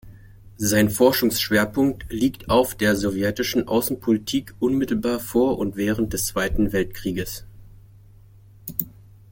Sein Forschungsschwerpunkt liegt auf der sowjetischen Außenpolitik unmittelbar vor und während des Zweiten Weltkriegs.